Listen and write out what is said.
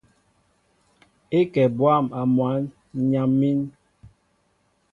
É kɛ bwâm a mwǎn , ǹ yam̀ín.